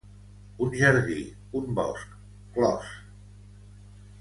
Un jardí, un bosc, clos.